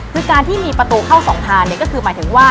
คือการที่มีประตูเข้าสองทางเนี่ยก็คือหมายถึงว่า